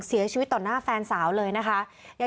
เสียชีวิตต่อหน้าแฟนสาวเลยนะคะ